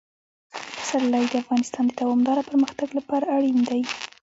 پسرلی د افغانستان د دوامداره پرمختګ لپاره اړین دي.